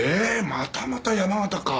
またまた山形か。